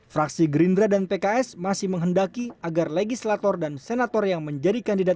fraksi gerindra dan pks masih menghendaki agar legislator dan senator yang menjadi kandidat